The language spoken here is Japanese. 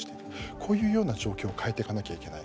こういうような状況を変えてかなきゃいけない。